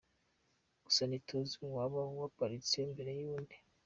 Gusa ntituzi uwaba yaparitse mbere y’undi.